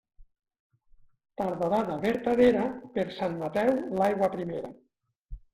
Tardorada vertadera, per Sant Mateu l'aigua primera.